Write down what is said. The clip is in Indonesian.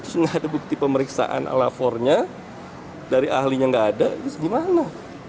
terus tidak ada bukti pemeriksaan alafornya dari ahlinya tidak ada terus bagaimana